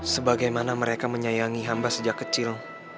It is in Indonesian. sebagaimana mereka menyayangi hamba sejak kecil